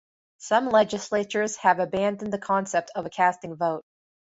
Some legislatures have abandoned the concept of a casting vote.